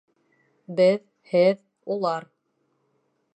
Беҙ, һеҙ, улар